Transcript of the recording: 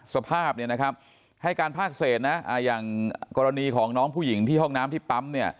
สภาพให้การพากเศษอย่างกรณีของน้องผู้หญิงที่ห้องน้ำที่ปั๊ม